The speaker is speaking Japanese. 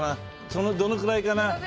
そのくらいかな。